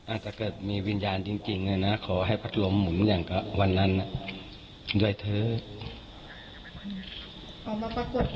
อาจจะเกิดมีวิญญาณจริงเลยนะขอให้พัดลมหมุนอย่างกับวันนั้นด้วยเถอะ